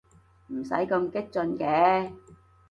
唔使咁激進嘅